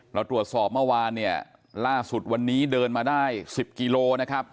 เราตรวจสอบเมื่อวานเนี่ยล่าสุดวันนี้เดินมาได้๑๐กิโลนะครับ